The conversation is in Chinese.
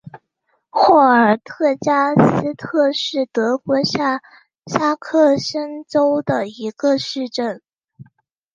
霍尔特加斯特是德国下萨克森州的一个市镇。